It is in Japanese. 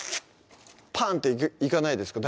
パンっていかないですか？